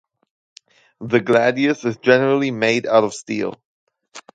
The Gladius is generally made out of steel.